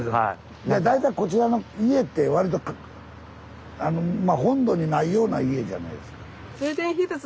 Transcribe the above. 大体こちらの家って割と本土にないような家じゃないですか。